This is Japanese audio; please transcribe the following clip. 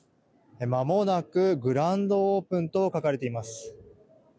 まもなくグランドオープンと書かれています。